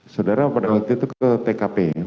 saudara pada waktu itu ke tkp